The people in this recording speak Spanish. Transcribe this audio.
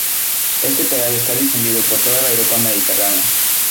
Este peral está difundido por toda la Europa mediterránea.